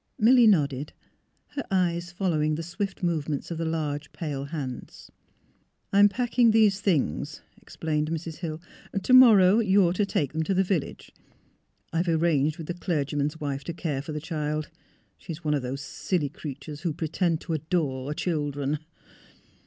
Milly nodded, her eyes following the swift movements of the large, pale hands. " I am packing these things," explained Mrs. Hill; " to morrow you are to take them to the village. I have arranged with the clerg^Tnan's wife to care for the child. She is one of those silly creatures who pretend to adore children."